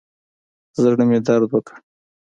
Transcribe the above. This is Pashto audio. زړه مې درد وکړ.